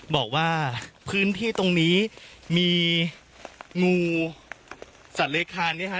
บอกว่าพื้นที่ตรงนี้มีงูสัตว์เลขานเนี่ยค่ะ